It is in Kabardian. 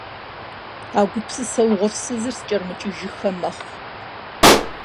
А гупсысэ угъурсызыр скӀэрымыкӀыжыххэ мэхъу.